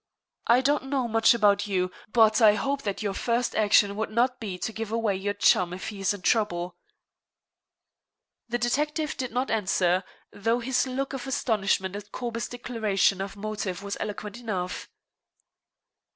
I don't know much about you, but I hope that your first action would not be to give away your chum if he is in trouble." The detective did not answer, though his look of astonishment at Corbett's declaration of motive was eloquent enough.